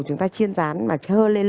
chúng ta chiên rán và hơ lên lửa